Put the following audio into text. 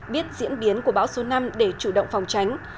biết diễn biến của bão số năm để chủ động phòng tránh